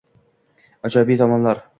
Ijobiy tomonlar